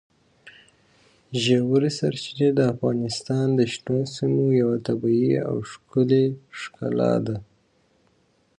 ژورې سرچینې د افغانستان د شنو سیمو یوه طبیعي او ښکلې ښکلا ده.